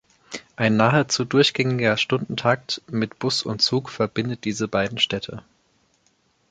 Ein nahezu durchgängiger Stundentakt mit Bus und Zug verbindet diese beiden Städte.